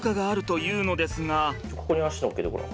ここに足乗っけてごらん。